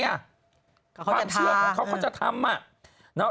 เขาจะทาเขาจะทำอ่ะ